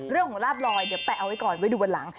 เรื่องของลาบลอยเดี๋ยวแปะเอาไว้ก่อนไว้ดูบนหลัง